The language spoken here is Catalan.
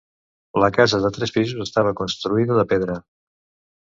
La casa de tres pisos estava construïda de pedra.